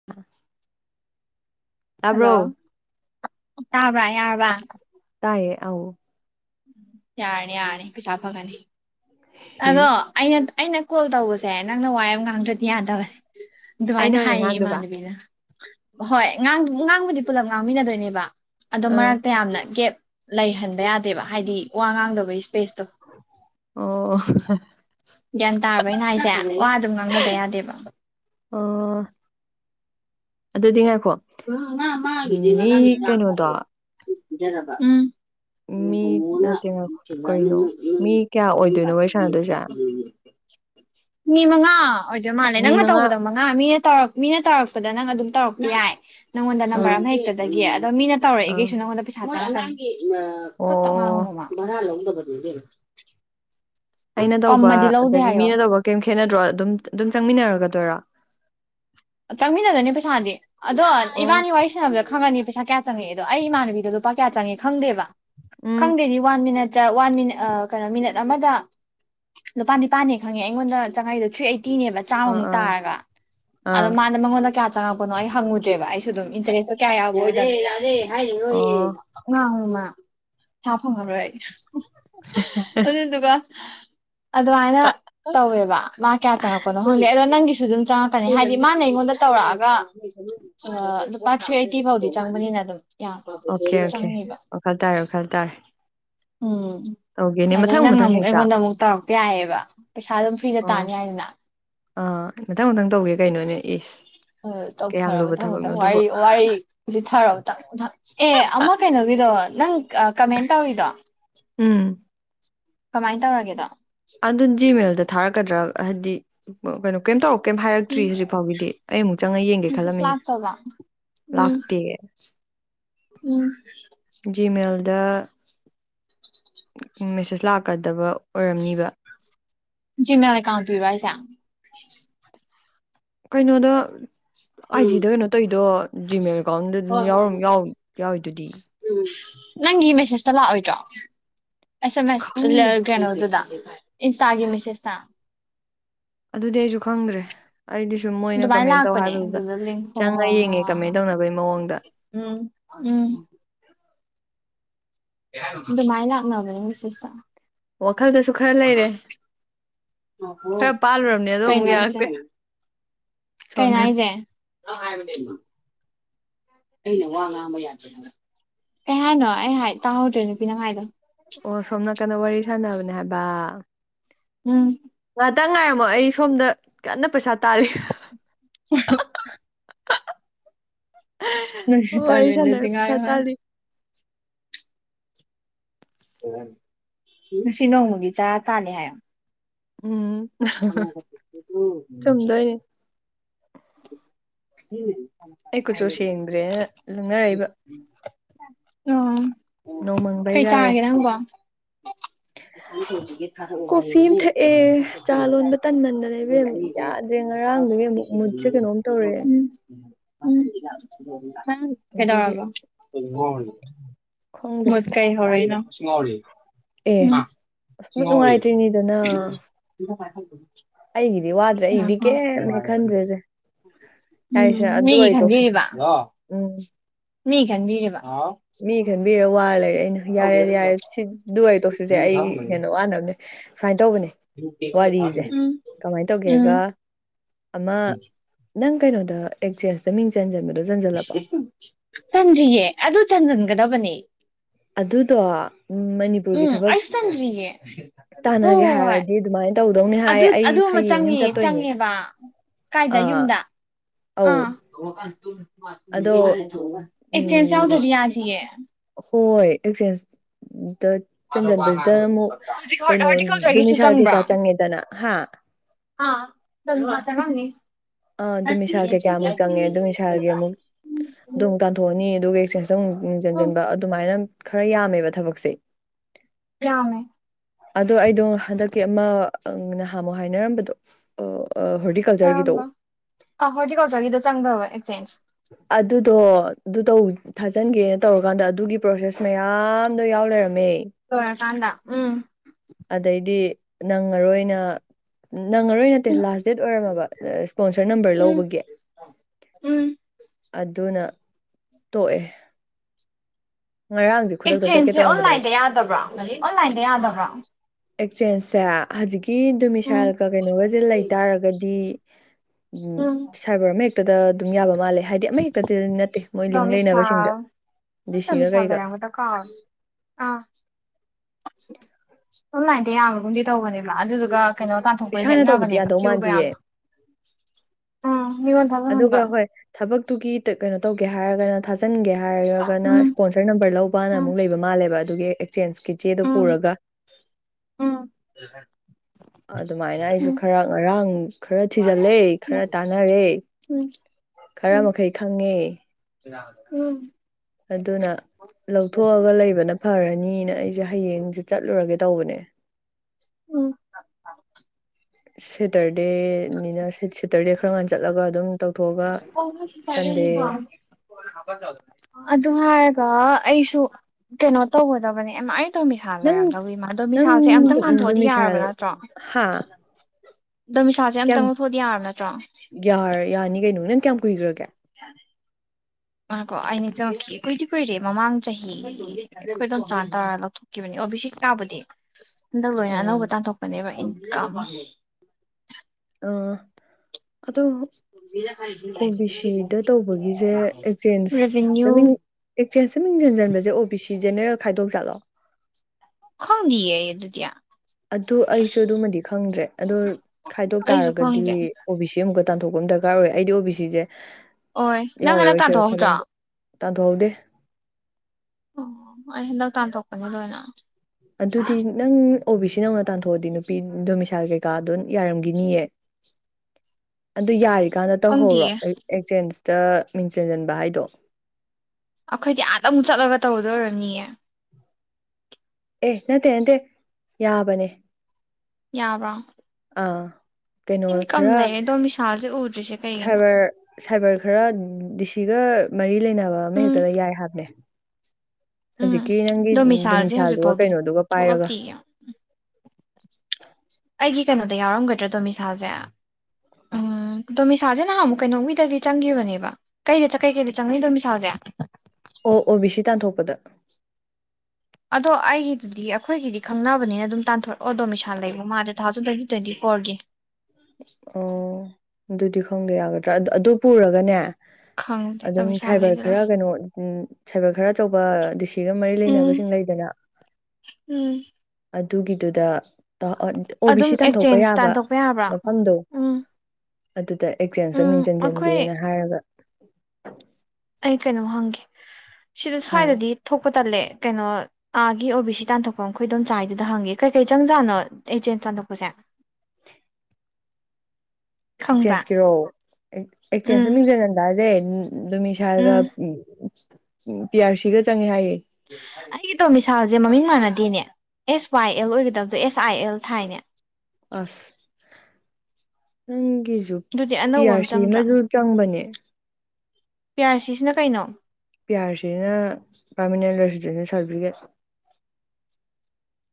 [unintelligible] Hello ꯇꯥꯕ꯭ꯔꯥ ꯌꯥꯔꯕꯥ꯫ ꯇꯌꯦ ꯑꯧ꯫ ꯌꯥꯔꯅꯤ ꯌꯥꯔꯅꯤ ꯄꯩꯁꯥ ꯐꯪꯉꯅꯤ꯫ ꯑꯗꯣ ꯍꯤꯁ ꯑꯩꯅ ꯑꯩꯅ ꯀꯣꯜ ꯇꯧꯕꯁꯦ ꯅꯪꯅ ꯋꯥ ꯌꯥꯝ ꯉꯥꯡꯗ꯭ꯔꯗꯤ ꯌꯥꯗꯕꯅꯦ꯫ ꯑꯩꯅ ꯑꯗꯨꯃꯥꯏꯅ ꯑꯣꯏꯅ ꯍꯥꯏꯌꯦ ꯉꯥꯡꯗꯕ ꯏꯃꯥꯟꯅꯕꯤꯅ ꯍꯣꯏ ꯉꯥꯡꯕꯨꯗꯤ ꯄꯨꯂꯞ ꯉꯥꯡꯃꯤꯟꯅꯗꯣꯏꯅꯦꯕ꯫ ꯑꯗꯣ ꯑꯥ ꯃꯔꯛꯇ ꯌꯥꯝꯅ ꯒꯦꯞ ꯂꯩꯍꯟꯕ ꯌꯥꯗꯦꯕ ꯍꯥꯏꯗꯤ ꯋꯥ ꯉꯥꯡꯗꯕꯩ ꯏꯁꯄꯦꯁꯇꯣ꯫ ꯑꯣ ꯒ꯭ꯌꯥꯟ ꯇꯥꯔꯕ ꯑꯩꯅ ꯍꯥꯏꯁꯦ ꯋꯥ ꯑꯗꯨꯝ ꯉꯥꯡꯅꯗ ꯌꯥꯗꯦꯕ꯫ ꯑꯣ ꯑꯗꯨꯗꯤ ꯉꯥꯏꯈꯣ꯫ ꯎꯝ ꯃꯥ ꯎꯝ ꯃꯥꯒꯤꯗꯤ ꯃꯤ ꯉꯔꯥꯡ ꯏꯟꯖꯥꯡ ꯈꯥꯛ ꯀꯩꯅꯣꯗꯣ ꯑꯦ ꯄꯤꯖꯅꯕ꯫ ꯌꯦꯟ ꯃꯤ ꯊꯣꯡꯉꯣꯅ ꯅꯠꯇꯦ ꯉꯥꯏꯈꯣ ꯊꯤꯂꯛ ꯀꯩꯅꯣ ꯃꯤ ꯀꯌꯥ ꯑꯣꯏꯗꯣꯏꯅꯣ ꯋꯥꯔꯤ ꯑꯃꯦ ꯁꯥꯟꯅꯗꯣꯏꯁꯦ [unintelligible] ꯃꯤ ꯃꯉꯥ ꯑꯣꯏꯗꯣꯏ ꯃꯥꯜꯂꯦ ꯃꯤ ꯅꯪꯅ ꯃꯉꯥ ꯇꯧꯕꯗꯧ ꯃꯥ ꯑ ꯃꯤꯅ ꯇꯧꯔꯛ ꯃꯤꯅ ꯇꯧꯔꯛꯄꯗ ꯅꯪ ꯑꯗꯨꯝ ꯇꯧꯔꯛꯄ ꯌꯥꯏ ꯅꯪꯉꯣꯟꯗ ꯅꯝꯕꯔ ꯑꯥ ꯑꯃ ꯍꯦꯛꯇꯗꯒꯤ ꯑꯗꯣ ꯃꯤꯅ ꯑꯥ ꯇꯧꯔꯛꯏꯒꯦꯁꯨ ꯅꯪꯉꯣꯟꯗ ꯄꯩꯁꯥ ꯆꯪ ꯑꯣ [unintelligible] ꯑꯩꯅ ꯇꯧꯕ ꯑꯗꯒꯤ ꯃꯤꯅ ꯍꯥꯏꯌꯣ ꯇꯧꯕ ꯀꯩꯝ ꯈꯦꯠꯅꯗ꯭ꯔꯣ ꯑꯗꯨꯝ ꯑꯗꯨꯝ ꯆꯪꯃꯤꯟꯅꯔꯒꯗꯣꯏꯔꯣ꯫ ꯆꯪꯃꯤꯟꯅꯗꯣꯏꯅꯤ ꯄꯩꯁꯥꯗꯤ ꯑꯗꯣ ꯑꯣ ꯏꯕꯥꯅꯤ ꯋꯥꯔꯤ ꯁꯅꯕꯗ ꯈꯪꯉꯅꯤ ꯄꯩꯁꯥ ꯀꯌꯥ ꯆꯪꯉꯛꯑꯦꯗꯣ ꯑꯩ ꯏꯃꯥꯟꯅꯕꯤꯗꯣ ꯂꯨꯄꯥ ꯀꯌꯥ ꯆꯪꯉꯦ ꯈꯪꯗꯦꯕ ꯎꯝ ꯈꯪꯗꯦꯗꯤ ꯋꯥꯟ ꯃꯤꯅꯠ꯫ ꯇ ꯋꯥꯟ ꯃꯤꯟ ꯀꯩꯅꯣ ꯃꯤꯅꯠ ꯑꯃꯗ ꯂꯨꯄꯥ ꯅꯤꯄꯥꯜꯅꯦ ꯈꯪꯉꯦ ꯑꯩꯉꯣꯟꯗ ꯆꯪꯉ ꯏꯗꯣ ꯊ꯭ꯔꯤ ꯑꯩꯠꯇꯤꯅꯦꯕ ꯑꯥ ꯆꯥꯝꯃꯨꯛ ꯑꯥ ꯇꯥꯔꯒ꯫ ꯑꯗꯣ ꯑꯥ ꯃꯥꯅ ꯃꯉꯣꯟꯗ ꯀꯌꯥ ꯆꯪꯉꯛꯄꯅꯣ ꯑꯩ ꯍꯪꯉꯨꯗꯦꯕ ꯑꯩꯁꯨ ꯑꯗꯨꯝ ꯏꯟꯇꯔꯦꯁ ꯑꯣ [unintelligible] ꯑꯗꯨꯗꯨꯒ ꯑꯗꯨꯃꯥꯏꯅ ꯇꯧꯋꯦꯕ꯫ ꯃꯥ ꯀꯌꯥ ꯆꯪꯉꯛꯄꯅꯣ ꯍꯪꯗꯦ ꯑꯗꯣ ꯅꯪꯒꯤꯁꯨ ꯑꯗꯨꯝ ꯆꯪꯉꯛꯀꯅꯤ ꯍꯥꯏꯗꯤ ꯃꯥꯅ ꯑꯩꯉꯣꯟꯗ ꯇꯧꯔꯛꯑꯒ ꯑ ꯂꯨꯄꯥ ꯊ꯭ꯔꯤ ꯑꯩꯠꯇꯤ ꯐꯥꯎꯗꯤ ꯆꯪꯕꯅꯤꯅ ꯑꯗꯨꯝ ꯌꯥꯝ ꯑꯣꯀꯦ ꯑꯣꯀꯦ ꯆꯪꯅꯤꯕ ꯋꯥꯈꯜ ꯇꯥꯔꯦ ꯋꯥꯈꯜ ꯇꯥꯔꯦ ꯎꯝ ꯇꯧꯒꯦꯅꯦ ꯑꯗꯩ ꯃꯊꯪ ꯅꯪꯅ ꯃꯊꯪ ꯑꯃꯨꯛ ꯍꯦꯛꯇ ꯑꯩꯉꯣꯟꯗ ꯑꯃꯨꯛ ꯇꯧꯔꯛꯄ ꯌꯥꯏꯌꯦꯕ ꯄꯩꯁꯥ ꯑꯗꯨꯝ ꯐ꯭ꯔꯤꯗ ꯑꯣ ꯇꯥꯟ ꯍꯥꯏꯗꯅ꯫ ꯑꯥ ꯃꯊꯪ ꯃꯊꯪ ꯇꯧꯒꯦ ꯀꯩꯅꯣꯅꯦ ꯏꯁ꯫ ꯀꯌꯥꯝ ꯇꯧꯊꯔꯣ ꯂꯨꯕ ꯃꯊꯪ ꯊꯕꯛꯅꯣ ꯃꯊꯪ ꯑꯗꯨꯕꯨ ꯋꯥꯔꯤ ꯋꯥꯔꯤ ꯂꯤꯠꯊꯔꯣ ꯃꯊꯪ ꯃꯊꯪ ꯑꯦ ꯑꯃ ꯀꯩꯅꯣꯒꯤꯗꯣ ꯅꯪ ꯑ ꯀꯃꯦꯟ ꯇꯧꯔꯤꯗꯣ꯫ ꯎꯝ ꯀꯃꯥꯏꯟ ꯇꯧꯔꯒꯦꯗꯣ꯫ ꯑꯗꯨ ꯖꯤꯃꯦꯜꯗ ꯊꯥꯔꯛꯀꯗ꯭ꯔꯥ ꯍꯥꯏꯗꯤ ꯀꯩꯅꯣ ꯀꯩꯝ ꯇꯧꯔꯛ ꯀꯩꯝ ꯎꯝ ꯍꯥꯏꯔꯛꯇ꯭ꯔꯤ ꯍꯧꯖꯤꯛ ꯐꯥꯎꯒꯤꯗꯤ ꯑꯩ ꯑꯃꯨꯛ ꯆꯪꯉ ꯌꯦꯡꯒꯦ ꯃꯦꯁꯦꯁ ꯈꯜꯂꯝꯃꯤꯅꯤ꯫ ꯂꯥꯛꯇꯕ ꯎꯝ ꯂꯥꯛꯇꯦꯑꯦ꯫ ꯎꯝ꯫ ꯖꯤꯃꯦꯜꯗ꯫ ꯃꯦꯁꯦꯖ ꯂꯥꯛꯀꯗꯕ ꯑꯣꯏꯔꯝꯅꯤꯕ꯫ ꯖꯤ ꯃꯦꯜ ꯑꯦꯀꯥꯎꯟꯠ ꯄꯤꯕ꯭ꯔꯣ ꯍꯥꯢꯁꯦ꯫ ꯀꯩꯅꯣꯗ ꯑꯥꯏꯖꯤꯗ ꯀꯩꯅꯣ ꯇꯧꯢ ꯗꯣ ꯖꯤꯃꯦꯜ ꯑꯦꯀꯥꯎꯟꯗ ꯑꯗꯨꯝ ꯌꯥꯎꯔꯝ ꯌꯥꯎ ꯌꯥꯎꯋꯤ ꯗꯨꯗꯤ꯫ ꯎꯝ ꯅꯪꯒꯤ ꯃꯦꯁꯦꯁꯇ ꯂꯥꯛꯑꯣꯏꯗ꯭ꯔꯣ꯫ ꯑꯦꯁ ꯑꯦꯝ ꯑꯦꯁ ꯂ ꯈꯪꯗꯦ ꯀꯩꯅꯣꯗꯨꯗ ꯏꯟꯁꯇꯥꯒꯤ ꯃꯦꯁꯦꯁꯇ꯫ ꯑꯗꯨꯗꯤ ꯑꯩꯁꯨ ꯈꯪꯗ꯭ꯔꯦ꯫ ꯑꯩꯗꯤ ꯁꯨꯝ ꯃꯣꯏꯅ ꯑꯗꯨꯃꯥꯏꯅ ꯀꯃꯦꯟ ꯇꯧ ꯂꯥꯛꯄꯅꯦ ꯍꯥꯏꯕꯗꯨꯗ ꯑꯗꯨꯗ ꯂꯤꯡ ꯍꯣ ꯆꯪꯉ ꯍꯣ ꯍꯣ ꯌꯦꯡꯉꯦ ꯍꯣ ꯀꯃꯦꯟ ꯇꯧꯅꯕꯩ ꯃꯑꯣꯡꯗ꯫ ꯎꯝ ꯎꯝ꯫ ꯑꯗꯨ ꯃꯥꯏ ꯂꯥꯛꯅꯕꯅꯦ ꯃꯦꯁꯦꯁꯇ ꯋꯥꯈꯜꯗꯁꯨ ꯈꯔ ꯂꯩꯔꯦ ꯈꯔ ꯄꯥꯜꯂꯨꯔꯕꯅꯦ ꯑꯗꯣ ꯑꯃꯨꯛ ꯌꯥꯔꯛꯇꯦ ꯀꯩ ꯁꯣꯝꯗ ꯍꯥꯏꯖꯦ [inaudible] ꯑꯩꯅ ꯋꯥ ꯉꯥꯡꯕ ꯌꯥꯗꯦ ꯀꯩ ꯍꯥꯏꯅꯣ ꯑꯩ ꯍꯥꯥ ꯇꯥꯍꯧꯗ꯭ꯔꯦ ꯅꯨꯄꯤ ꯅꯪ ꯍꯥꯏꯗꯣ ꯑꯣ ꯁꯣꯝ ꯅꯀꯟꯗ ꯋꯥꯔꯤ ꯁꯥꯟꯅꯕꯅꯦ ꯍꯥꯏꯕ ꯎꯝ ꯉꯥꯛꯇꯪ ꯉꯥꯏꯔꯝꯃꯣ ꯑꯩ ꯁꯣꯝꯗ ꯀꯟꯅ ꯄꯩꯁꯥ ꯇꯥꯜꯂꯤ ꯅꯪꯁꯨ [unintelligible] ꯋꯥꯔꯤ ꯇꯥꯟꯃꯤꯟꯅꯁꯤ ꯁꯥꯅꯔ ꯄꯩꯁꯥ ꯉꯥꯏꯌꯣ ꯍꯥꯏꯌꯣ ꯇꯥꯜꯂꯤ [unintelligible] ꯉꯁꯤ ꯅꯣꯡꯃꯒꯤ ꯆꯔꯥ ꯇꯥꯂꯤ ꯍꯥꯏꯌꯨ ꯎꯝ ꯆꯨꯝꯗꯣꯏꯅꯤ [unintelligible] ꯑꯩ ꯀꯨꯆꯣ ꯁꯦꯡꯗ꯭ꯔꯦꯅ ꯂꯪꯅꯔꯛꯏꯕ ꯑꯣ ꯀꯩ ꯅꯣꯡꯃꯪꯕꯩꯔꯥꯌꯦ ꯆꯥꯔꯒꯦ ꯅꯪꯕꯣ [inaudible] ꯀꯣꯐꯤ ꯑꯃ ꯊꯛꯑꯦ ꯆꯥ ꯂꯣꯟꯕ ꯇꯟꯃꯟꯗꯅ ꯏꯕꯦꯝ ꯌꯥꯗ꯭ꯔꯦ ꯉꯔꯥꯡꯗꯒꯤ ꯑꯃꯨꯛ ꯃꯨꯠꯁꯦ ꯀꯩꯅꯣꯝ ꯇꯧꯔꯦ [inaudible] ꯑꯗꯨꯒꯤ ꯀꯩꯗꯧꯔꯕ [unintelligible] ꯈꯪꯗꯦ ꯃꯨꯠ ꯀꯩ ꯌꯥꯗ꯭ꯔꯦ ꯍꯧꯔꯛꯢꯅꯣ [inaudible] ꯑꯦ ꯎꯝ ꯑꯁ ꯃꯨꯠ ꯅꯨꯡꯉꯥꯏꯇ꯭ꯔꯤꯅꯤꯗꯅ [inaudible] ꯑꯩꯒꯤꯗꯤ ꯋꯥꯗ꯭ꯔꯦ ꯑꯩꯗꯤ ꯀꯦꯝꯍꯦꯛ ꯈꯟꯗ꯭ꯔꯦꯁꯦ ꯌꯥꯔꯦꯁ ꯑꯗꯨ ꯃꯤꯒꯤ ꯋꯥꯔꯤ ꯇꯣꯛꯁꯤꯁꯦ ꯎꯝ ꯃꯤ ꯈꯟꯕꯤꯔꯤꯕ ꯃꯤ ꯈꯟꯕꯤꯔ ꯋꯥꯔ ꯂꯩꯔꯦ ꯑꯩꯅ ꯌꯥꯔꯦ ꯌꯥꯔꯦ ꯁꯤ ꯗꯨ ꯇꯣꯛꯁꯤꯁꯦ ꯑꯩ ꯍꯦꯟꯅ ꯋꯥꯅꯕꯅꯦ ꯁꯨꯃꯥꯏ ꯇꯧꯕꯅꯦ ꯎꯝ ꯋꯥꯔꯤꯁꯦ ꯀꯃꯥꯏꯅ ꯎꯝ ꯇꯧꯒꯦꯒ ꯑꯃ ꯅꯪ ꯀꯩꯅꯣꯗ ꯑꯦꯛꯆꯦꯟꯁ [unintelligible] ꯃꯤꯡ ꯆꯟꯖꯟꯕꯗꯣ ꯆꯟ ꯆꯟꯗ꯭ꯔꯤꯌꯦ ꯑꯗꯨ ꯆꯟꯖꯟꯒꯗꯕꯅꯦ ꯑꯗꯨꯗꯣ ꯎꯝ ꯃꯅꯤ ꯎꯝ ꯑꯩꯁꯨ ꯆꯟꯗ꯭ꯔꯤꯌꯦ ꯇꯥꯟꯅꯒꯦ ꯍꯣꯏ ꯍꯥꯏꯔꯗꯤ ꯑꯗꯨꯃꯥꯏꯅ ꯇꯧꯗꯧꯅꯦ ꯍꯥꯏ ꯑꯗꯨ ꯑꯩ ꯑꯗꯨ ꯑꯃ ꯍꯌꯦꯡ ꯆꯪꯉꯦ ꯆꯠꯇꯣꯏꯅꯦ ꯆꯪꯉꯦꯕ ꯀꯥꯏꯗ ꯑꯥ ꯌꯨꯝꯗ ꯑ ꯑꯧ ꯑꯗꯣ ꯑꯦꯛꯆꯦꯟꯁ ꯎꯝ ꯌꯥꯎꯗꯗꯤ ꯌꯗꯤꯌꯦ ꯍꯣꯏ ꯑꯦꯛꯆꯦꯁ [unintelligible] ꯆꯟꯁꯤꯟꯕꯁꯤꯗ ꯑꯃꯨꯛ ꯍꯧꯖꯤꯛ ꯀꯩꯅꯣ ꯍꯣꯔꯇꯤꯀꯜꯆꯔꯒꯤꯁꯨ ꯗꯣꯃꯤꯁꯥꯢꯜ ꯆꯪꯕ꯭ꯔꯥ ꯀꯩꯀꯥ ꯆꯪꯉꯦꯗꯅ ꯍꯥ ꯑꯥ ꯗꯣꯃꯤꯁꯥ ꯆꯪꯉꯝꯅꯤ ꯑꯥ ꯗꯨꯃꯤꯁꯥꯜ ꯀꯩ ꯀꯥ ꯃꯨꯛ ꯆꯪꯉꯦ ꯑꯗꯨ ꯃꯤꯁꯥꯜꯒꯤ ꯑꯃꯨꯛ ꯑꯗꯨ ꯃꯨꯛ ꯇꯥꯟꯊꯣꯛꯑꯅꯤ ꯑꯗꯨꯒ ꯑꯦꯛꯆꯦꯁꯇ ꯑꯃꯨꯛ ꯃꯤꯡ ꯎꯝ ꯆꯟꯁꯤꯟꯕ ꯑꯗꯨꯃꯥꯏꯅ ꯈꯔ ꯌꯥꯝꯃꯦꯕ ꯊꯕꯛꯁꯦ ꯌꯥꯝꯃꯦ ꯑꯗꯣ ꯑꯩꯗꯣ ꯍꯟꯗꯛꯀꯤ ꯑꯃ ꯑꯪ ꯅꯍꯥꯃꯨꯛ ꯍꯥꯏꯅꯔꯝꯕꯗꯣ [unintelligible] ꯑꯥꯌꯥꯝꯕ ꯑꯥ [unintelligible] ꯑꯗꯨꯗꯣ ꯑꯗꯨ ꯇꯧ ꯊꯥꯖꯤꯟꯒꯦꯅ ꯇꯧꯔꯨꯀꯥꯟꯗ ꯑꯗꯨꯒꯤ ꯄ꯭ꯔꯣꯁꯦꯁ ꯃꯌꯥꯝ ꯗꯣ ꯌꯥꯎ ꯂꯩꯔꯝꯃꯦ ꯂꯣꯢꯔ ꯀꯥꯟꯗ ꯎꯝ ꯑꯗꯩꯗꯤ ꯅꯪꯉꯔꯣꯏꯅ ꯅꯪꯉꯔꯣꯏ ꯅꯠꯇꯦ ꯎꯝ ꯂꯥꯁ ꯗꯦꯠ ꯑꯣꯏꯔꯝꯃꯕ ꯏꯁꯄꯣꯟꯁꯔ ꯅꯝꯕꯔ ꯎꯝ ꯂꯧꯕꯒꯤ ꯎꯝ ꯑꯗꯨꯅ ꯇꯣꯛꯑꯦ ꯉꯔꯥꯡꯁꯦ ꯈꯨꯗꯛꯇ ꯆꯠꯀꯦ ꯑꯦꯛꯆꯦꯟꯁꯁꯦ ꯇꯧꯔꯝꯕꯅꯦ ꯑꯩꯁꯦ ꯑꯣꯟꯂꯥꯏꯟꯗ ꯌꯥꯗꯕ꯭ꯔꯥ ꯑꯣꯟꯂꯥꯏꯟꯗ ꯌꯥꯗꯕ꯭ꯔꯥ ꯑꯦꯛꯆꯦꯟꯁꯁꯦ ꯍꯧꯖꯤꯛꯀꯤ ꯎꯝ ꯗꯨꯃꯤꯁꯥꯏꯜꯒ ꯀꯩꯅꯣꯒꯁꯦ ꯂꯩꯇꯥꯥꯔꯒꯗꯤ ꯎꯝ ꯁꯥꯏꯕꯔ ꯑꯃ ꯍꯦꯛꯇꯗ ꯑꯗꯨꯝ ꯌꯥꯕ ꯃꯥꯜꯂꯦ ꯍꯥꯏꯗꯤ ꯑꯃ ꯍꯦꯛꯇꯗꯗꯤ ꯅꯠꯇꯦ ꯃꯣꯏ ꯂꯤꯡ ꯂꯩꯅꯕꯁꯤꯡꯗ ꯗꯤ ꯁꯤꯒ ꯀꯩꯒ [unintelligible] ꯀꯥ ꯑꯥ ꯑꯣꯝꯂꯥꯏꯟꯗ ꯌꯥꯝꯕꯒꯨꯝꯗꯤ ꯇꯧꯒꯅꯦꯕ ꯑꯗꯨꯗꯨꯒ ꯀꯩꯅꯣ [unintelligible] ꯊꯣꯛꯄꯩ ꯏꯁꯥꯅ ꯇꯧꯕꯗꯤ ꯂꯦꯞꯅꯕꯅꯦꯕ ꯌꯥꯗꯧ ꯀ꯭ꯌꯨꯕ ꯃꯥꯟꯗꯤꯌꯦ ꯌꯥꯝꯅ ꯎꯝ ꯃꯤꯉꯣꯟ ꯊꯥꯖꯍꯟꯕ ꯑꯗꯨꯒ ꯍꯣꯏ ꯊꯕꯛꯇꯨꯒꯤ ꯀꯩꯅꯣ ꯇꯧꯒꯦ ꯍꯥꯏꯔꯒꯅ ꯆꯟꯒꯦ ꯍꯥꯏꯔꯒꯅ ꯎꯝ ꯏꯁꯄꯣꯟꯁꯔ ꯅꯝꯕꯔ ꯂꯧꯕꯅ ꯎꯝ ꯑꯃꯨꯛ ꯂꯩꯕ ꯃꯥꯜꯂꯦꯕ ꯑꯗꯨꯒꯤ ꯆꯦꯟꯁꯀꯤꯆꯦꯗꯨ ꯎꯝ ꯄꯨꯔꯒ ꯎꯝ ꯑꯗꯨꯃꯥꯏꯅ ꯑꯩꯁꯨ ꯎꯝ ꯈꯔ ꯉꯔꯥꯡ ꯈꯔ ꯎꯝ ꯊꯤꯖꯤꯜꯂꯦ ꯈꯔ ꯇꯥꯟꯅꯔꯦ ꯎꯝ ꯈꯔ ꯃꯈꯩ ꯈꯪꯉꯦ ꯎꯝ ꯑꯗꯨꯅ ꯂꯧꯊꯣꯛꯑꯒ ꯂꯩꯕꯅ ꯐꯔꯅꯤꯅ ꯑꯩꯁꯦ ꯍꯌꯦꯡꯁꯦ ꯆꯠꯂꯨꯔꯒꯦ ꯇꯧꯕꯅꯦ ꯎꯝ ꯁꯦꯇꯔꯗꯦꯅꯤꯅ ꯁꯦꯇꯔꯗꯦ ꯈꯔ ꯉꯥꯟ ꯆꯠꯂꯒ ꯑꯗꯨꯝ ꯇꯧꯊꯣꯛꯑꯒ ꯁꯟꯗꯦ [unintelligible] ꯑꯗꯨ ꯍꯥꯏꯔꯒ ꯑꯩꯁꯨ ꯀꯩꯅꯣ ꯇꯧꯒꯗꯕꯅꯦ ꯑꯗꯨꯃꯥꯏꯅ [unintelligible] ꯅꯪ ꯂꯩꯔꯝꯗꯣꯏꯗꯤ ꯃꯟ ꯑꯗꯣ ꯅꯪ ꯃꯤꯁꯥꯜꯁꯦ ꯑꯝꯇꯪ ꯉꯟꯊꯣꯛꯑꯗꯤ ꯌꯥꯔꯕ ꯅꯨꯃꯤꯠꯁꯥꯏꯜ ꯅꯠꯇ꯭ꯔꯣ ꯍꯥ ꯗꯣꯃꯤꯁꯥꯁꯦ ꯑꯝꯇꯪ ꯂꯧꯊꯣꯛꯑꯗꯤ ꯌꯥꯔꯕ ꯅꯠꯇ꯭ꯔꯣ ꯌꯥꯔ ꯌꯥꯅꯤ ꯀꯩꯅꯣ ꯅꯪ ꯀꯌꯥꯝ ꯀꯨꯏꯈ꯭ꯔꯒꯦ [unintelligible] ꯃꯥꯀꯣ ꯆꯛ ꯀꯨꯏꯗꯤ ꯀꯨꯏꯔꯦ ꯃꯃꯥꯡ ꯆꯍꯤ ꯀꯗꯧ ꯆꯥ ꯇꯔꯒ ꯂꯧꯊꯣꯛ ꯈꯤꯕꯅꯤ ꯑꯣ ꯕꯤꯁꯤꯛ ꯀꯥꯕꯨꯗꯤ ꯍꯟꯗꯛ ꯂꯣꯏꯅ ꯑꯅꯧꯕ ꯑꯣ ꯇꯥꯟꯊꯣꯛꯄꯅꯦꯕ ꯏ [unintelligible] ꯑ ꯑꯗꯣ ꯑꯣ ꯕꯤ ꯁꯤꯗ ꯇꯧꯕꯒꯤꯁꯦ ꯑꯦꯛꯆꯦꯟꯁ ꯔꯦꯚꯤꯅ꯭ꯌꯨ ꯆꯅꯤꯡ ꯑꯦꯛꯆꯦꯟꯁꯇ ꯃꯤꯡ ꯆꯟꯖꯟꯕꯁꯦ ꯑꯣ ꯕꯤ ꯁꯤ ꯖꯦꯅꯔꯦꯜ ꯈꯥꯏꯗꯣꯛ ꯆꯠꯂꯣ ꯈꯪꯗꯤꯌꯦ ꯑꯗꯨꯗꯤꯌꯥ ꯑꯗꯨ ꯑꯩꯁꯨ ꯑꯗꯨꯃꯗꯤ ꯈꯪꯗ꯭ꯔꯦ ꯑꯗꯣ ꯈꯥꯏꯗꯣꯛ ꯑꯩꯁꯨ ꯇꯥꯔꯒꯗꯤ ꯈꯪꯗꯦ ꯑꯣ ꯕꯤ ꯁꯤ ꯑꯃꯨꯛꯀ ꯇꯥꯟꯊꯣꯛꯄ ꯑꯃ ꯗꯔꯀꯥꯔ ꯑꯣꯏꯌꯦ ꯑꯩꯗꯤ ꯑꯣ ꯕꯤ ꯁꯤꯁꯦ ꯑꯣꯏ ꯅꯪ ꯍꯟꯗꯛ ꯌꯥꯎꯔꯔꯣꯏꯁꯤꯔꯥ ꯇꯥꯟꯊꯣꯛꯍꯧꯗ꯭ꯔꯣ ꯈꯜꯂꯝꯕ ꯇꯥꯟꯗꯣꯛꯍꯧꯗꯦ ꯑꯣ ꯑꯩ ꯍꯟꯗꯛ ꯇꯥꯟꯊꯣꯛꯄꯅꯤ ꯂꯣꯏꯅ ꯑꯗꯨꯗꯤ ꯅꯪ ꯑꯣ ꯕꯤ ꯁꯤ ꯅꯧꯅ ꯇꯥꯟꯊꯣꯛꯑꯗꯤ ꯅꯨꯄꯤ ꯗꯣꯃꯤꯁꯥꯏꯜ ꯀꯩꯀꯥꯗꯣ ꯌꯥꯔꯝꯈꯤꯅꯤꯌꯦ [inaudible] ꯑꯗꯨ ꯌꯥꯔꯤꯀꯥꯟꯗ ꯇꯧꯍꯧꯔꯣ ꯈꯪꯗꯤꯌꯦ ꯑꯦꯛꯆꯦꯟꯁꯇ ꯃꯤꯡ ꯆꯟꯖꯟꯕ ꯍꯥꯏꯗꯣ ꯑꯩꯈꯣꯏꯗꯤ ꯑꯥꯗ ꯑꯃꯨꯛ ꯆꯠꯂꯒ ꯇꯧꯔꯨꯗꯣꯏ ꯑꯣꯏꯔꯝꯅꯤꯌꯦ ꯑꯦ ꯅꯠꯇꯦ ꯅꯠꯇꯦ ꯌꯥꯕꯅꯦ ꯌꯥꯕ꯭ꯔꯥ ꯑꯥ ꯀꯩꯅꯣ ꯏꯟꯀꯝ ꯈꯔ ꯂꯩꯏ ꯗꯣꯃꯤꯁꯥꯏꯜꯁꯦ ꯎꯗ꯭ꯔꯤꯁꯦ ꯀꯩꯒꯤꯅꯣ ꯁꯥꯏꯕꯔ ꯁꯥꯏꯕꯔ ꯈꯔ ꯗꯤꯁꯤꯒ ꯃꯔꯤ ꯂꯩꯅꯕ ꯑꯃ ꯎꯝ ꯍꯦꯛꯇꯗ ꯌꯥꯏ ꯍꯥꯏꯕꯅꯦ ꯎꯝ ꯍꯧꯖꯤꯛꯀꯤ ꯅꯪꯒꯤ ꯗꯣꯃꯤꯁꯥꯏꯜꯁꯦ ꯍꯧꯖꯤꯛ ꯗꯣꯃꯤꯁꯥꯏꯜꯗꯨꯒ ꯐꯥꯎꯗꯤ ꯀꯩꯅꯣꯗꯨꯒ ꯄꯥꯏꯔꯒ ꯊꯣꯛꯂꯛꯇꯤꯌꯦ ꯑꯩꯒꯤ ꯀꯩꯅꯣꯗ ꯌꯥꯎꯔꯝꯒꯗ꯭ꯔꯗꯣ ꯗꯣꯃꯤꯁꯥꯏꯜꯁꯦ ꯎꯝ ꯗꯣꯃꯤꯁꯥꯏꯜꯁꯦ ꯅꯍꯥꯟꯃꯨꯛ ꯀꯩꯅꯣꯝꯒꯤꯗꯗꯤ ꯆꯪꯈꯤꯕꯅꯦꯕ ꯀꯩꯗ ꯆꯀꯩ ꯀꯩꯗ ꯆꯪꯅꯩ ꯗꯣꯃꯤꯁꯥꯏꯜꯁꯦ ꯑꯣ ꯑꯣ ꯕꯤ ꯁꯤ ꯇꯥꯟꯊꯣꯛꯄꯗ ꯑꯗꯣ ꯑꯩꯒꯤꯗꯨꯗꯤ ꯑꯩꯈꯣꯏꯒꯤꯗꯤ ꯈꯪꯅꯕꯅꯤꯅ ꯑꯗꯨꯝ ꯇꯥꯟꯊꯣꯔꯛꯑꯣ ꯗꯣꯃꯤꯁꯥꯏꯜ ꯂꯩꯕ ꯃꯥꯜꯂꯦ ꯇꯨ ꯊꯥꯎꯖꯟ ꯇ꯭ꯋꯦꯟꯇꯤ ꯇ꯭ꯋꯦꯟꯇꯤ ꯐꯣꯔꯒꯤ ꯑꯣ ꯑꯗꯨꯗꯤ ꯈꯪꯗꯦ ꯌꯥꯒꯗ꯭ꯔꯥ ꯑꯗꯨ ꯄꯨꯔꯒꯅꯦ ꯈꯥꯡ ꯑꯗꯨꯝ ꯁꯥꯏꯕꯔ ꯈꯔ ꯀꯩꯅꯣ ꯁꯥꯏꯕ ꯈꯔ ꯑꯆꯧꯕ ꯗꯤꯁꯤꯒ ꯃꯔꯤ ꯎꯝ ꯂꯩꯅꯕꯁꯤꯡ ꯂꯩꯗꯅ ꯎꯝ ꯑꯗꯨꯒꯤꯗꯨꯗ ꯑꯣ ꯕꯤ ꯁꯤ ꯇꯥꯟꯊꯣꯛꯄ ꯌꯥꯕ ꯄꯌꯥꯕ꯭ꯔꯥ ꯃꯐꯝꯗꯣ ꯎꯝ ꯑꯗꯨꯗ ꯑꯦꯛꯖꯥꯝꯁꯇ ꯎꯝ ꯃꯤꯡ ꯑꯩꯈꯣꯏ ꯆꯟꯖꯟꯒꯦꯅ ꯍꯥꯏꯔꯒ ꯑꯩ ꯀꯩꯅꯣꯝ ꯍꯪꯒꯦ ꯁꯤꯗ ꯍꯥꯏꯌꯣ ꯁ꯭ꯋꯥꯏꯗꯗꯤ ꯊꯣꯛꯄ ꯇꯜꯂꯦ ꯀꯩꯅꯣ ꯑꯥꯒꯤ ꯑꯣ ꯕꯤ ꯁꯤ ꯇꯥꯟꯊꯣꯛꯄ ꯈꯣꯏ ꯏꯗꯣꯝꯆꯥ ꯍꯣꯏꯗꯨꯗ ꯍꯪꯒꯦ ꯀꯩ ꯀꯩ ꯆꯪꯖꯥꯠꯅꯣ ꯑꯦꯛꯆꯦꯟꯁ ꯇꯥꯟꯊꯣꯛꯄꯁꯦ [inaudible] ꯈꯪꯕ꯭ꯔꯥ ꯑꯦꯛꯆꯦꯟꯁꯀꯤꯔꯣ ꯎꯝ ꯑꯦꯛꯆꯦꯟꯁꯇ ꯃꯤꯡꯖꯟꯕ ꯍꯥꯏꯁꯦ ꯗꯣꯃꯤꯁꯥꯏꯜꯒ ꯎꯝ ꯄꯤ ꯑꯥꯔ ꯁꯤꯒ ꯆꯪꯉꯦ ꯍꯥꯏꯌꯦ ꯑꯩꯒꯤ ꯗꯣꯃꯤꯁꯥꯏꯜꯁꯦ ꯃꯃꯤꯡ ꯃꯥꯟꯅꯗꯦꯅꯦ ꯑꯦꯁ ꯋꯥꯏ ꯑꯦꯜ ꯑꯣꯏꯒꯗꯕꯗꯣ ꯑꯦꯁ ꯑꯥꯏ ꯑꯦꯜ ꯊꯥꯏꯅꯦ ꯑꯁ ꯅꯪꯒꯤꯖꯨ ꯑꯗꯨꯗꯤ ꯄꯤ ꯑꯅꯧꯕ ꯑꯥꯔ ꯑꯃ ꯁꯤ ꯆꯪꯗ꯭ꯔꯥ ꯑꯃꯁꯨ ꯆꯪꯕꯅꯦ ꯄꯤ ꯌꯥꯔ ꯁꯤꯁꯤꯅ ꯀꯩꯅꯣ ꯄꯤ ꯑꯥꯔ ꯁꯤꯅ ꯄꯥꯔꯃꯤꯅꯦꯟ ꯔꯦꯁꯤꯗꯦꯟꯁꯤꯌꯦꯜ ꯁꯥꯔꯇꯤꯐꯤꯀꯦꯠ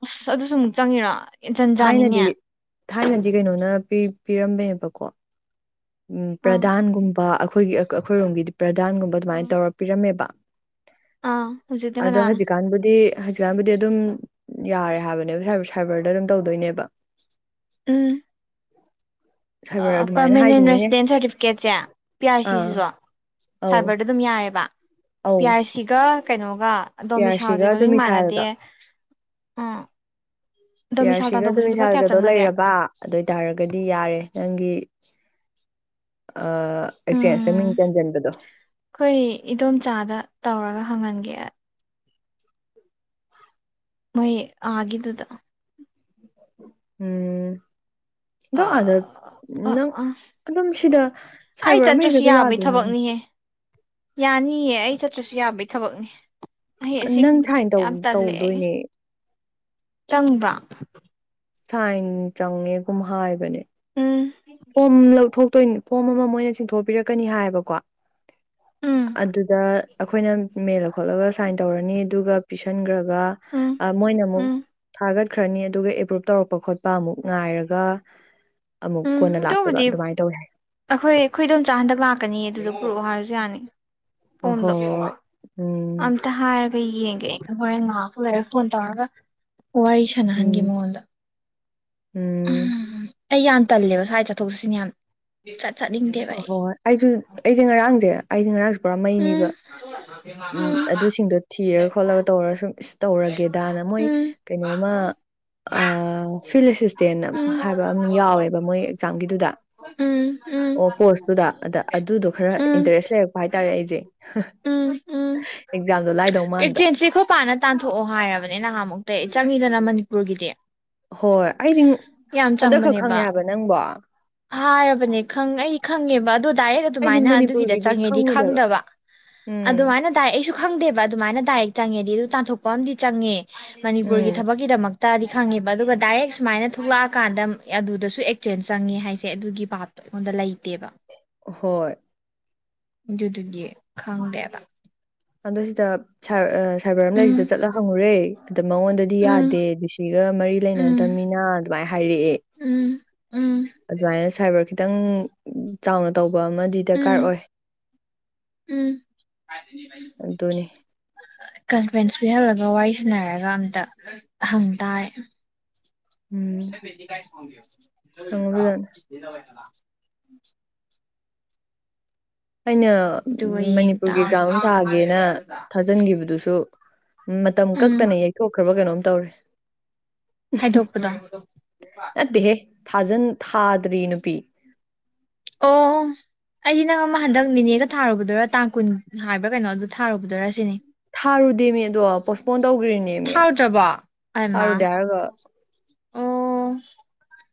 ꯑꯁ ꯑꯗꯨꯁꯨ ꯑꯃꯨꯛ ꯆꯪꯉꯔꯥ ꯊꯥꯏꯅꯗꯤ ꯊꯥꯏꯅꯗꯤ ꯀꯩꯅꯣꯅ ꯄꯤꯔꯝꯕꯅꯦꯕꯀꯣ ꯎꯝ ꯑꯥ ꯄ꯭ꯔꯗꯥꯟꯒꯨꯝꯕ ꯑꯩꯈꯣꯏꯒꯤ ꯑꯩꯈꯣꯏꯔꯣꯝꯒꯤꯗꯤ ꯄ꯭ꯔꯗꯥꯟꯒꯨꯝꯕ ꯑꯗꯨꯃꯥꯏꯅ ꯇꯧꯔ ꯄꯤꯔꯝꯃꯦꯕ ꯑꯥ ꯍꯧꯖꯤꯛꯅ ꯑꯗꯣ ꯀꯅꯥꯅ ꯍꯧꯖꯤꯛꯀꯥꯟꯕꯨꯗꯤ ꯍꯧꯖꯤꯛꯀꯥꯟꯕꯨꯗꯤ ꯑꯗꯨꯝ ꯌꯥꯔꯦ ꯍꯥꯏꯕꯅꯦꯕ ꯁꯥꯏꯕꯔꯗ ꯑꯗꯨꯝ ꯇꯧꯗꯣꯏꯅꯦꯕ ꯎꯝ ꯁꯥꯏꯕꯔ ꯑꯗꯨꯃꯥꯏꯅ ꯍꯥꯏꯖꯦ ꯑꯩꯟ ꯔꯦꯁꯤꯗꯦꯟ ꯁꯥꯔꯇꯤꯐꯤꯀꯦꯠꯁꯦ ꯄꯤ ꯑꯥꯔ ꯑꯥ ꯁꯤꯁꯤꯁꯨ ꯑꯧ ꯁꯥꯏꯕꯔꯗ ꯑꯗꯨꯝ ꯌꯥꯔꯦꯕ ꯄꯤ ꯑꯧ ꯌꯥꯔ ꯁꯤꯒ ꯀꯩꯅꯣꯒ ꯑ ꯄꯤ ꯑꯥꯔ ꯁꯤꯒ ꯗꯣꯃꯤꯁꯥꯏꯜꯁꯦ ꯑꯗꯨꯝ ꯃꯃꯤꯡ ꯃꯥꯟꯅꯗꯦ ꯏꯁꯥꯜꯒ ꯎꯝ ꯄꯤ ꯑꯥꯔ ꯗꯣꯃꯤꯁꯥꯜ ꯁꯤꯒ ꯇꯥꯟꯊꯣꯛꯄꯁꯦ ꯂꯨꯄꯥ ꯀꯌꯥ ꯗꯣꯃꯤꯁꯥꯏꯜꯒꯗꯣ ꯆꯪꯅꯒꯦ ꯂꯩꯔꯕ ꯑꯗꯨꯑꯣꯏꯇꯥꯔꯒꯗꯤ ꯌꯥꯔꯦ ꯅꯪꯒꯤ ꯑꯥ ꯑꯦꯛꯆꯦꯟꯁꯇ ꯎꯝ ꯃꯤꯡ ꯆꯟꯁꯤꯟꯕꯗꯣ ꯑꯩꯈꯣꯏ ꯏꯗꯣꯝꯆꯥꯗ ꯇꯧꯔꯒ ꯍꯪꯍꯟꯒꯦ ꯃꯣꯏ ꯑꯥ ꯒꯤꯗꯨꯗ ꯎꯝ ꯗꯣ ꯑꯥꯗ ꯑꯥ ꯅꯪ ꯑꯥ ꯑꯗꯨꯝ ꯁꯤꯗ ꯑꯩ ꯁꯥꯏꯕꯔ ꯑꯃ ꯆꯠꯇ꯭ꯔꯁꯨ ꯍꯦꯛꯇꯗ ꯌꯥꯕꯩ ꯌꯥꯗꯣꯏꯅꯦ ꯊꯕꯛꯅꯤꯍꯦ ꯌꯥꯅꯤꯌꯦ ꯑꯩ ꯆꯠꯇ꯭ꯔꯁꯨ ꯌꯥꯕꯒꯤ ꯊꯕꯛꯅꯦ ꯑꯩ ꯅꯪ ꯁꯥꯏꯟ ꯑꯁꯤꯒꯨꯝꯕꯗꯄ ꯌꯥꯝ ꯇꯜꯂꯦ ꯑꯩ ꯇꯧꯗꯣꯏꯅꯦ ꯆꯪꯕ꯭ꯔ ꯁꯥꯏꯟ ꯆꯪꯉꯦꯒꯨꯝ ꯍꯥꯏꯕꯅꯦ ꯎꯝ ꯐꯣꯝ ꯂꯧꯊꯣꯛꯇꯣꯏꯅꯤ ꯐꯣꯝ ꯑꯃ ꯃꯣꯏꯅ ꯆꯤꯡꯊꯣꯛꯄꯤꯔꯛꯀꯅꯤ ꯍꯥꯏꯕꯀꯣ ꯎꯝ ꯑꯗꯨꯗ ꯑꯩꯈꯣꯏꯅ ꯃꯦꯜꯂ ꯈꯣꯠꯂꯒ ꯁꯥꯏꯟ ꯇꯧꯔꯅꯤ ꯑꯗꯨꯒ ꯄꯁꯤꯟꯈ꯭ꯔꯒ ꯎꯝ ꯃꯣꯏꯅ ꯑꯃꯨꯛ ꯎꯝ ꯊꯥꯒꯠꯈ꯭ꯔꯅꯤ ꯑꯗꯨꯒ ꯑꯦꯄ꯭ꯔꯨꯞ ꯇꯧꯔꯛꯄ ꯈꯣꯠꯄ ꯑꯃꯨꯛ ꯉꯥꯏꯔꯒ ꯎꯝ ꯀꯣꯟꯅ ꯂꯥꯛꯄꯕ ꯑꯗꯨꯕꯨꯗꯤ ꯑꯗꯨꯃꯥꯏꯅ ꯇꯧꯋꯦ ꯑꯩꯈꯣꯏ ꯑꯩꯈꯣꯏꯗꯣꯝꯆꯥ ꯍꯟꯗꯛ ꯂꯥꯛꯀꯅꯤ ꯑꯗꯨꯗꯣ ꯄꯨꯔꯛꯑꯣ ꯍꯥꯏꯔꯁꯨ ꯌꯥꯅꯤ ꯑꯣ ꯐꯣꯝꯗꯣ ꯍꯣꯏ ꯍꯣꯏ [unintelligible] ꯎꯝ ꯑꯝꯇ ꯍꯥꯏꯔꯒ ꯌꯦꯡꯒꯦ ꯑꯩꯅ ꯍꯣꯔꯦꯟ ꯉꯥꯏꯍꯥꯛꯄꯨ ꯂꯩꯔꯒ ꯐꯣꯟ ꯇꯧꯔꯒ ꯋꯥꯔꯤ ꯁꯥꯟꯅꯍꯟꯒꯦ ꯎꯝ ꯃꯉꯣꯟꯗ ꯎꯝ ꯑꯩ ꯌꯥꯝ ꯇꯜꯂꯦꯕ ꯁ꯭ꯋꯥꯏ ꯆꯠꯊꯣꯛ ꯆꯠꯁꯤꯟ ꯌꯥꯝ ꯆꯠ ꯆꯠꯅꯤꯡꯗꯦꯕ ꯍꯣꯏ ꯑꯩ ꯍꯣꯏ ꯑꯩꯁꯨ ꯑꯩꯁꯦ ꯉꯔꯥꯡꯁꯦ ꯑꯩꯗꯤ ꯉꯔꯥꯡꯁꯨ ꯄꯨꯔꯥ ꯃꯩ ꯎꯝ ꯅꯤꯕ ꯑꯗꯨꯁꯤꯡꯗꯣ ꯊꯤꯔꯒ ꯈꯣꯠꯂꯒ ꯇꯧꯔꯒ ꯁꯨꯝ ꯇꯧꯔꯒꯦꯗꯥꯅ ꯃꯣꯏ ꯎꯝ ꯀꯩꯅꯣꯃ ꯑꯥ ꯐꯤꯜ ꯑꯦꯁꯤꯁꯇꯦꯟ ꯎꯝ ꯍꯥꯏꯕ ꯑꯃꯝ ꯌꯥꯎꯋꯦꯕ ꯃꯣꯏ ꯑꯦꯛꯖꯥꯝꯒꯤꯗꯨꯗ ꯎꯝ ꯎꯝ ꯑꯣ ꯄꯣꯔꯁꯇꯨꯗ ꯑꯗ ꯑꯗꯨꯗꯣ ꯈꯔ ꯎꯝ ꯏꯟꯇꯔꯦꯁ ꯂꯩꯔ ꯍꯥꯏꯇꯥꯔꯦ ꯑꯩꯁꯦ ꯎꯝ ꯑꯦꯛꯖꯥꯝꯗꯣ ꯂꯥꯏꯗꯧ ꯃꯥꯟꯕ ꯁꯤꯈꯣꯄꯥꯅ ꯇꯥꯟꯊꯣꯛꯑꯣ ꯍꯥꯏꯔꯕꯅꯦ ꯅꯍꯥꯟ ꯃꯨꯛꯇꯩ ꯆꯪꯉꯤꯗꯅ ꯃꯅꯤꯄꯨꯔꯒꯤꯗꯤ ꯍꯣꯏ ꯑꯩꯗꯤ ꯌꯥꯝ ꯍꯟꯗꯛ ꯈꯛ ꯆꯪꯕꯅꯦꯕ ꯈꯪꯉꯦ ꯍꯥꯏꯕ ꯅꯪꯕꯣ ꯍꯥꯏꯔꯕꯅꯦ ꯈꯪ ꯑꯩ ꯈꯪꯉꯦꯕ ꯑꯗꯣ ꯗꯥꯏꯔꯦꯛ ꯑꯩꯗꯤ ꯑꯗꯨꯃꯥꯏꯅ ꯑꯗꯨꯒꯤꯗ ꯃꯅꯤꯄꯨꯔꯒꯤꯗꯤ ꯆꯪꯉꯦꯗꯤ ꯈꯪꯉꯨꯗꯕ ꯈꯪꯗꯕ ꯎꯝ ꯑꯗꯨꯃꯥꯏꯅ ꯑꯩꯁꯨ ꯈꯪꯗꯦꯕ ꯑꯗꯨꯃꯥꯏꯅ ꯗꯥꯏꯔꯦꯛ ꯆꯪꯉꯦꯗꯤ ꯑꯗꯨ ꯇꯥꯟꯊꯣꯛꯄ ꯑꯃꯗꯤ ꯆꯪꯉꯦ ꯎꯝ ꯃꯅꯤꯄꯨꯔꯒꯤ ꯊꯕꯛꯀꯤꯗꯃꯛ ꯇꯗꯤ ꯈꯪꯉꯦꯕ ꯑꯗꯨꯒ ꯗꯥꯏꯔꯦꯛ ꯁꯨꯃꯥꯏꯅ ꯊꯣꯛꯂꯛꯑꯀꯥꯟꯗ ꯑꯗꯨꯗꯁꯨ ꯑꯦꯛꯆꯦꯟꯖ ꯆꯪꯉꯦ ꯍꯥꯏꯁꯦ ꯑꯗꯨꯒꯤ ꯕꯥꯞ ꯑꯣꯟꯗ ꯂꯩꯇꯦꯕ ꯍꯣꯏ ꯑꯗꯨꯗꯨꯒꯤ ꯈꯪꯗꯦꯕ ꯑꯗꯣ ꯁꯤꯗ ꯁꯔ ꯁꯥꯏꯕꯔ ꯎꯝ ꯑꯃꯂꯩꯁꯤꯗ ꯆꯠꯂ ꯍꯪꯉꯨꯔꯦ ꯑꯗ ꯃꯉꯣꯟꯗꯗꯤ ꯎꯝ ꯌꯥꯗꯦ ꯗꯤꯁꯤꯒ ꯃꯔꯤ ꯎꯝ ꯂꯩꯅꯗꯝꯅꯤꯅ ꯑꯗꯨꯃꯥꯏꯅ ꯍꯥꯏꯔꯛꯑꯦ ꯎꯝ ꯎꯝ ꯑꯗꯨꯃꯥꯏꯅ ꯁꯥꯏꯕꯔ ꯈꯤꯇꯪ ꯆꯥꯎꯅ ꯇꯧꯕ ꯑꯃꯗꯤ ꯎꯝ ꯗꯔꯀꯥꯔ ꯑꯣꯏ ꯎꯝ ꯑꯗꯨꯅꯤ ꯀꯟꯐ꯭ꯔꯦꯟꯁ ꯄꯤꯍꯜꯂꯒ ꯋꯥꯔꯤ ꯁꯅꯔꯒ ꯑꯝꯇ ꯍꯪ ꯇꯥꯔꯦ ꯎꯝ ꯈꯪꯕꯖꯥꯠꯅꯤ [unintelligible] ꯑꯩꯅ ꯑꯗꯨꯒ ꯌꯦꯡ ꯃꯅꯤꯄꯨꯔꯒꯤ ꯇꯥꯔꯦ ꯒ꯭ꯔꯥꯎꯟ ꯊꯥꯒꯦꯅ ꯊꯥꯖ ꯊꯥꯖꯤꯟꯈꯤꯕꯗꯨꯁꯨ ꯃꯇꯝ ꯎꯝ ꯀꯛꯇꯅ ꯌꯩꯊꯣꯛꯈ꯭ꯔꯕ ꯀꯩꯅꯣꯝ ꯇꯧꯔꯦ ꯍꯥꯏꯗꯣꯛꯄꯗꯣ ꯅꯠꯇꯦꯍꯦ ꯊꯥꯖꯟ ꯊꯥꯗ꯭ꯔꯤ ꯅꯨꯄꯤ ꯑꯣ ꯑꯩꯗꯤ ꯅꯪ ꯑꯃ ꯍꯟꯗꯛ ꯅꯤꯅꯦꯒ ꯊꯥꯔꯨꯕꯗꯨꯔꯥ ꯇꯥꯡ ꯀꯨꯟ ꯍꯥꯏꯕ꯭ꯔꯥ ꯀꯩꯅꯣ ꯑꯗꯨ ꯊꯥꯔꯨꯕꯗꯨꯔꯥ ꯁꯤꯅꯤ ꯊꯥꯔꯨꯗꯦꯃꯤ ꯑꯗꯣ ꯄꯣꯁꯄꯣꯟ ꯇꯧꯈ꯭ꯔꯤꯅꯦ ꯃꯤ ꯊꯥꯎꯗ꯭ꯔꯕꯣ ꯑꯥꯏꯃꯥ ꯊꯥꯔꯨꯗꯦ ꯍꯥꯏꯔꯒ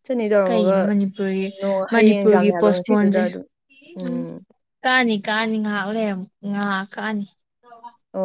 ꯁꯨꯅꯤ ꯇꯧꯔꯝꯃꯒ ꯀꯩꯅꯣ ꯃꯅꯤꯄꯨꯔꯒꯤ ꯅꯣꯡ ꯍꯌꯦꯡ ꯃꯅꯤꯄꯨꯔꯒꯤ ꯑꯦꯛꯖꯥꯝꯅꯦ ꯍꯥꯏꯕ ꯄꯣꯁꯄꯣꯟꯁꯦ ꯉꯁꯤꯗꯨꯗ ꯑꯗꯨꯝ ꯎꯝ ꯀꯥꯅꯤ ꯀꯥꯅꯤ ꯉꯥꯍꯥꯛ ꯂꯩꯔꯝ ꯉꯥꯍꯥꯛ ꯀꯥꯅꯤ ꯑꯣ